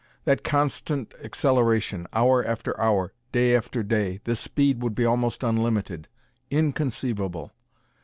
That constant acceleration, hour after hour, day after day the speed would be almost unlimited; inconceivable!